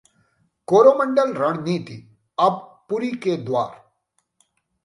कोरोमंडल रणनीतिःअब पुरी के द्वार